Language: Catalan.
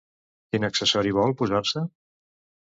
Quin accessori vol posar-se?